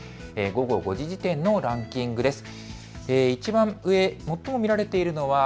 午後５時時点のランキングです。